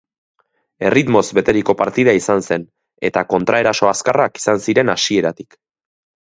Erritmoz beteriko partida izan zen, eta kontraeraso azkarrak izan ziren hasieratik.